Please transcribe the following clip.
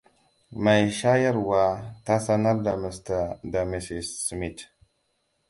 Mai shayarwa ta sanar da Mr. da Mrs. Smith.